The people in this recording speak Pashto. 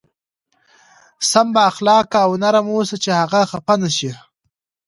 سم با اخلاقه او نرم اوسه چې هغه خفه نه شي.